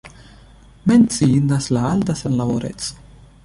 Menciindas la alta senlaboreco.